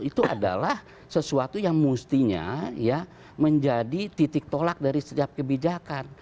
itu adalah sesuatu yang mustinya menjadi titik tolak dari setiap kebijakan